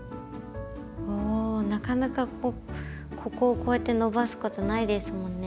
おなかなかこうここをこうやって伸ばすことないですもんね。